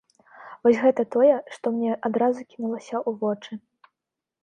Вось гэта тое, што мне адразу кінулася ў вочы.